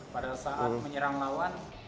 pada saat menyerang lawan